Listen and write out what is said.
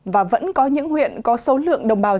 và vẫn có những huyện có số lượng đồng bào dân